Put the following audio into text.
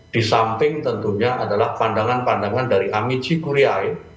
di samping tentunya adalah pandangan pandangan dari amiji kuriain